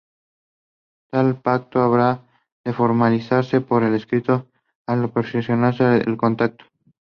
This marine species occurs in the Indian Ocean and off Papua New Guinea.